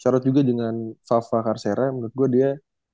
syarat juga dengan fava cacera menurut gue dia